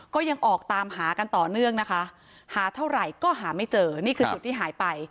ก็ยังออกตามหากันต่อเนื่องนะคะหาเท่าไหร่ก็หาไม่เจอนี่คือจุดที่หายไป